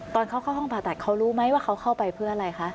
ตอนเขาเข้าห้องผ่าตัดเขารู้ไหมว่าเขาเข้าไปเพื่ออะไรคะ